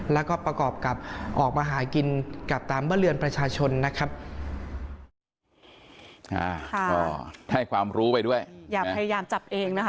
และก็ประกอบกับออกมาหากินกับตามเบอร์เรียนประชาชนนะครับ